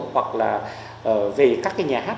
hoặc là về các cái nhà hát